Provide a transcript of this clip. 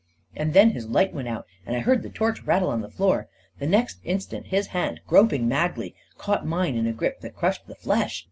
And then his light went out and I heard the torch rattle on the floor. The next instant, his hand, groping madly, caught mine in a grip that crushed the flesh.